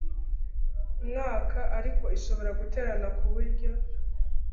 mwaka ariko ishobora guterana ku buryo